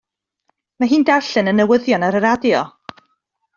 Mae hi'n darllen y newyddion ar y radio.